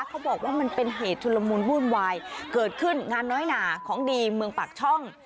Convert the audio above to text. เขาบอกว่ามันเป็นเหตุชุลมุนวุ่นวายเกิดขึ้นงานน้อยหนาของดีเมืองปากช่อง